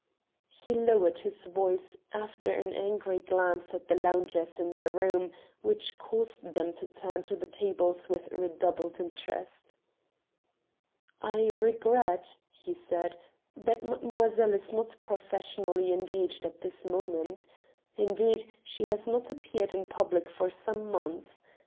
He lowered his voice, after an angry glance at the loungers in the room, which caused them to turn to the tables with redoubled interest. "I regret," he said, "that mademoiselle is not professionally engaged at this moment. Indeed, she has not appeared in public for some months.